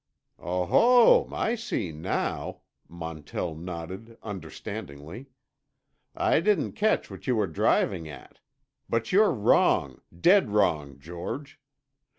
"Oho, I see now," Montell nodded understandingly. "I didn't catch what you were driving at. But you're wrong, dead wrong, George.